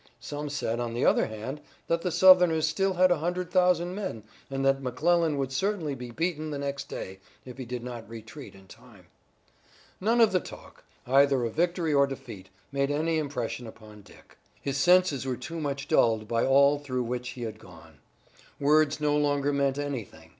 Some said, on the other hand, that the Southerners still had a hundred thousand men, and that McClellan would certainly be beaten the next day, if he did not retreat in time. None of the talk, either of victory or defeat, made any impression upon Dick. His senses were too much dulled by all through which he had gone. Words no longer meant anything.